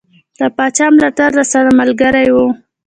د پاچا ملاتړ راسره ملګری وو.